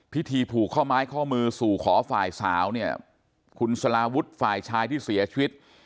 พิธีผูกข้อไม้ข้อมือสู่ขอฝ่ายสาวเนี่ยคุณสลาวุฒิฝ่ายชายที่เสียชีวิต